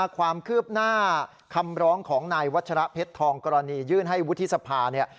ความคืบหน้าคำร้องของนายวัชระเพชรทองกรณียื่นให้วุฒิสภาเนี่ย